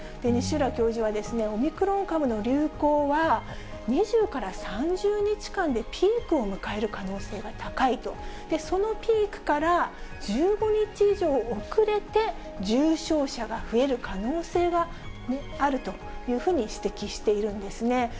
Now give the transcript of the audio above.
西浦教授は、オミクロン株の流行は、２０から３０日間でピークを迎える可能性が高いと、そのピークから１５日以上遅れて、重症者が増える可能性があるというふうに指摘しているんですね。